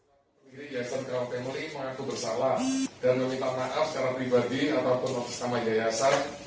pendiri yayasan kaal family mengaku bersalah dan meminta maaf secara pribadi atau penuh sesama yayasan